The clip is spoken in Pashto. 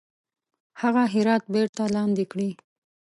هغه هرات بیرته لاندي کړي.